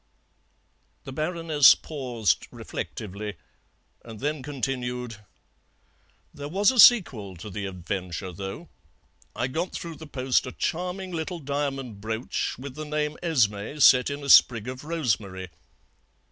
The Baroness paused reflectively, and then continued: "There was a sequel to the adventure, though. I got through the post a charming little diamond brooch, with the name Esmé set in a sprig of rosemary.